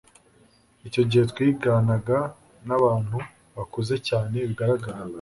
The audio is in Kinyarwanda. icyo gihe twiganaga n'abantu bakuze cyane bigaragara